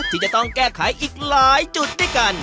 ที่จะต้องแก้ไขอีกหลายจุดด้วยกัน